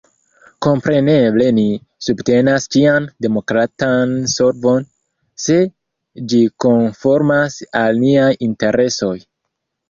Kompreneble ni subtenas ĉian demokratan solvon, se ĝi konformas al niaj interesoj.